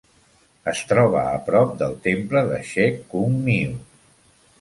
Es troba a prop deI temple de Che Kung Miu.